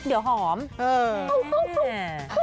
ปลาร้ายขายในสระน้ำไปเลยจริง